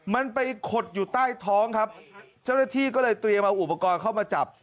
มันไปขดอยู่ใต้ท้องครับเจ้าหน้าที่ก็เลยเตรียมเอาอุปกรณ์เข้ามาจับ